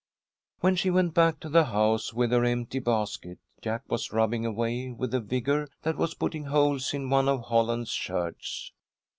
When she went back to the house with her empty basket, Jack was rubbing away with a vigour that was putting holes in one of Holland's shirts.